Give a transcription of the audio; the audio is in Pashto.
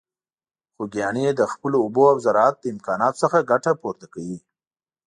خوږیاڼي د خپلو اوبو او زراعت له امکاناتو څخه ګټه پورته کوي.